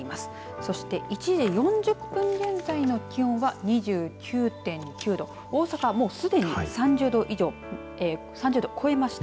そして１時４０分現在の気温は２９．９度大阪は、すでに３０度以上３０度を超えました。